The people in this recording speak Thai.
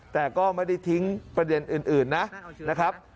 แต่ก็ไม่ได้ทิ้งประเด็นอื่นนะครับ